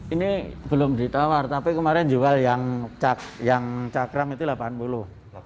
ini belum ditawar tapi kemarin jual yang cakram itu rp delapan puluh